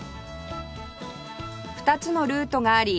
２つのルートがあり